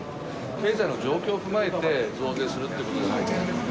経済の状況を踏まえて、増税するってことですよね。